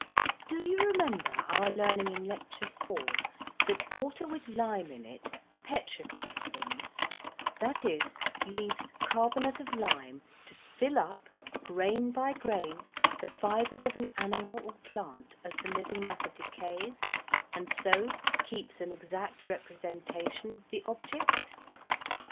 Do you remember our learning in Lecture IV, that water with lime in it petrifies things, that is, leaves carbonate of lime to fill up grain by grain the fibres of an animal or plant as the living matter decays, and so keeps an exact representation of the object?